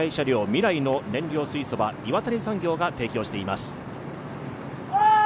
ＭＩＲＡＩの燃料水素は岩谷産業が提供しています。